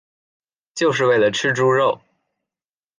就是为了吃猪肉